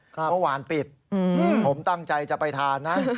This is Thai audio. เมื่อวานปิดผมตั้งใจจะไปทานนะ